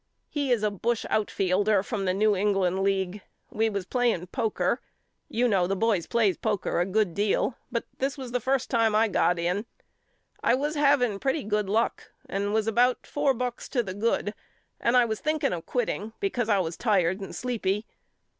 He is a bush outfielder from the New England League. We was playing poker. You know the boys plays poker a good deal but this was the first time I got in. I was having pretty good luck and was about four bucks to the good and I was thinking of quitting because I was tired and sleepy.